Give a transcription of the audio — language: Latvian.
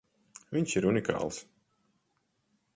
Viņš ir unikāls!